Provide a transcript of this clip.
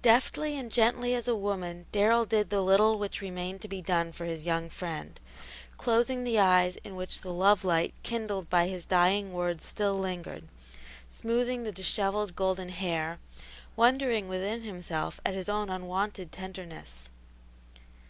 Deftly and gently as a woman Darrell did the little which remained to be done for his young friend, closing the eyes in which the love light kindled by his dying words still lingered, smoothing the dishevelled golden hair, wondering within himself at his own unwonted tenderness.